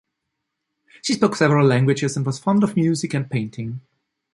She spoke several languages, and was fond of music and painting.